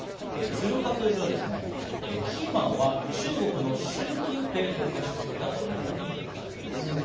鶴岡教授はキーマンは中国のシュウ・キンペイ国家主席だというふうにおっしゃっています。